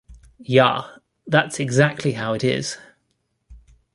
Ya that's exactly how it is.